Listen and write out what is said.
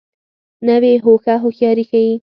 نوې هوښه هوښیاري ښیي